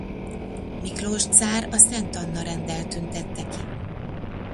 Miklós cár az Szent Anna-renddel tüntette ki.